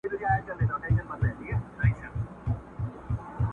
o هندو ستړی، خداى ناراضه٫